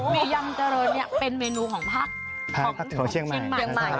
มียำเจริญเป็นเมนูของภาคเชียงใหม่